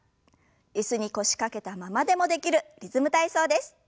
椅子に腰掛けたままでもできる「リズム体操」です。